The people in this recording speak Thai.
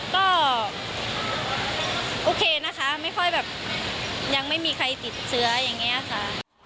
ก็โอเคนะคะยังไม่มีใครติดเสื้ออย่างนี้ค่ะ